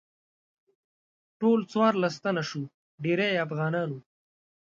ټول څوارلس تنه شوو چې ډیری یې افغانان وو.